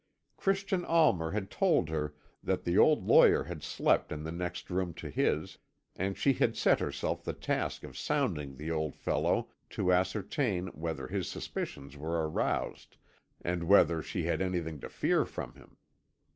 Christian Almer had told her that the old lawyer had slept in the next room to his, and she had set herself the task of sounding the old fellow to ascertain whether his suspicions were aroused, and whether she had anything to fear from him.